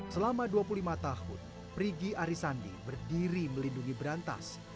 selama dua puluh lima tahun prigi arisandi berdiri melindungi berantas